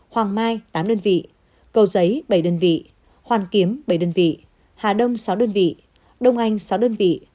hoàng mai tám đơn vị cầu giấy bảy đơn vị hoàn kiếm bảy đơn vị hà đông sáu đơn vị đông anh sáu đơn vị